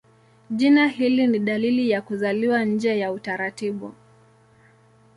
Jina hili ni dalili ya kuzaliwa nje ya utaratibu.